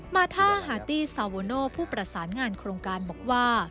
มาท่าฮาตี้ซาโวโนผู้ประสานงานโครงการบอกว่า